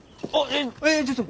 ええっちょっと！？